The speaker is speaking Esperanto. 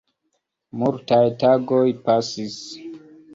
Multaj tagoj pasis.